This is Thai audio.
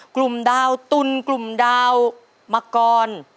กลุ่มดาวตุลกลุ่มดาวมังกร